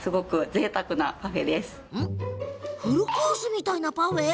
フルコースみたいなパフェ？